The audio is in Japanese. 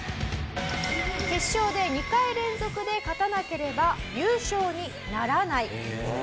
決勝で２回連続で勝たなければ優勝にならない。